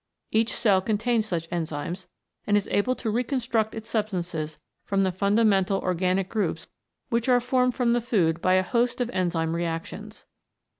Each cell contains such enzymes, and is able to reconstruct its substances from the fundamental organic groups which are formed from the food by a host of enzyme re actions.